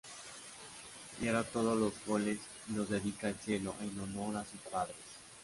Y ahora todos los goles los dedica al cielo en honor a sus padres.